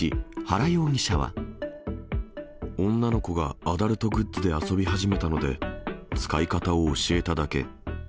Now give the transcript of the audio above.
女の子がアダルトグッズで遊び始めたので、使い方を教えただけ。